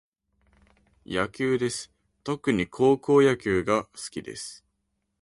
野球です。特に高校野球が好きです。